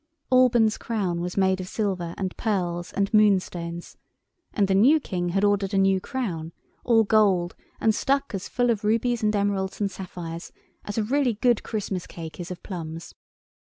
Alban's crown was made of silver and pearls and moonstones, and the new King had ordered a new crown, all gold, and stuck as full of rubies and emeralds and sapphires as a really good Christmas cake is of plums.